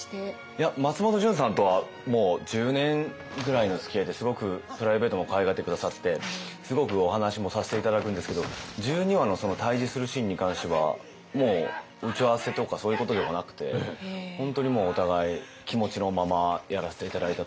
いや松本潤さんとはもう１０年ぐらいのつきあいですごくプライベートもかわいがって下さってすごくお話もさせて頂くんですけど１２話の対峙するシーンに関してはもう打ち合わせとかそういうことではなくて本当にもうお互い気持ちのままやらせて頂いたというか。